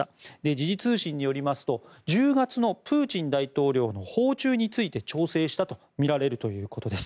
時事通信によりますと、１０月のプーチン大統領の訪中について調整したとみられるということです。